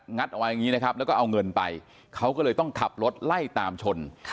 เอาไว้อย่างนี้นะครับแล้วก็เอาเงินไปเขาก็เลยต้องขับรถไล่ตามชน